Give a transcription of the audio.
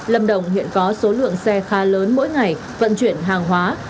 lâm đồng hiện có số lượng xe khá lớn mỗi ngày vận chuyển hàng hóa